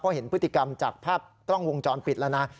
เพราะเห็นพฤติกรรมจากภาพกล้องวงจรปิดแล้วนะ